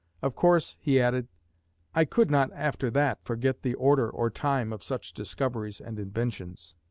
'Of course,' he added, 'I could not after that forget the order or time of such discoveries and inventions.'"